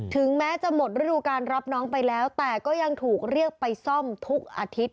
ถึงแม้จะหมดฤดูการรับน้องไปแล้วแต่ก็ยังถูกเรียกไปซ่อมทุกอาทิตย์